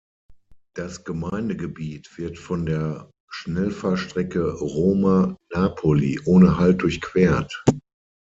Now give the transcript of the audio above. Das Gemeindegebiet wird von der Schnellfahrstrecke Roma–Napoli ohne Halt durchquert.